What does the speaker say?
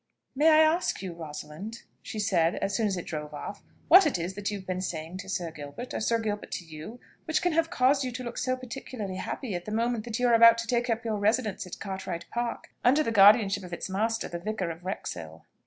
"May I ask you, Rosalind," she said as soon as it drove off, "what it is that you have been saying to Sir Gilbert, or Sir Gilbert to you, which can have caused you to look so particularly happy at the moment that you are about to take up your residence at Cartwright Park, under the guardianship of its master the Vicar of Wrexhill?"